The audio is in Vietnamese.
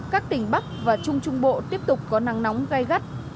các tỉnh bắc và trung trung bộ tiếp tục có nắng nóng gai gắt